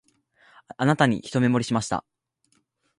あなたに一目ぼれしました